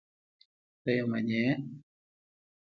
ته یې منې؟!